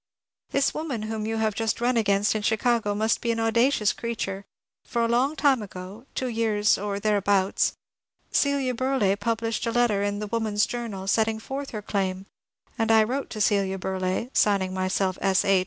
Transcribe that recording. This woman whom you have just nm against in Chicago must be an audacious creature; for a long time ago — two years or thereabouts — Celia Burleigh published a letter in the " Woman's Journal " setting forth her claim ; and I wrote to Celia Burleigh (signing myself S. H.